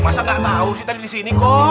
masa nggak tahu sih tadi di sini kok